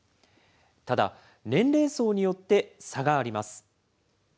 ただ、年齢層によって差があります。